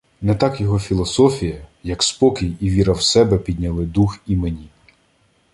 Не так його філософія, як спокій і віра в себе підняли дух і мені.